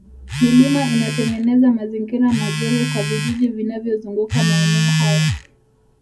milima inatengeneza mazingira mazuri kwa vijiji vinavyozunguka maeneo hayo